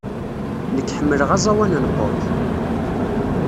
Nekk ḥemmleɣ aẓawan n pop.